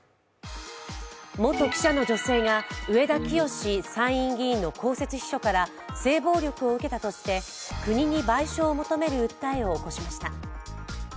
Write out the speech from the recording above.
元記者の女性が上田清司参院議員の公設秘書から性暴力を受けたとして国に賠償を求める訴えを起こしました。